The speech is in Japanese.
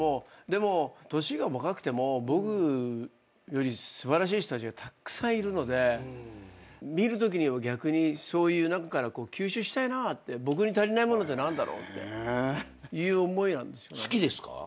でも年が若くても僕より素晴らしい人たちはたくさんいるので見るときには逆にそういう中から吸収したいなって僕に足りないものって何だろうっていう思いなんですよ。